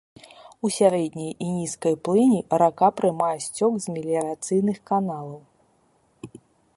У сярэдняй і нізкай плыні рака прымае сцёк з меліярацыйных каналаў.